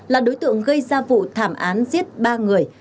là đối tượng gây ra vụ thảm án giết ba người